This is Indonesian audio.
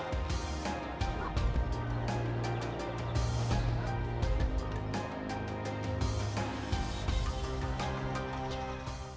apa yang akan terjadi jika pedofil di bali menangkap